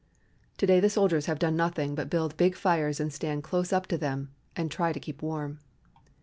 To day the soldiers have done nothing but build big fires and stand close up to them and try to keep warm.